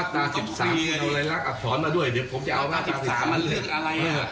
เดี๋ยวจะเอามาตรา๑๓เลย